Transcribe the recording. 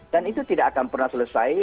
dan itu tidak akan pernah selesai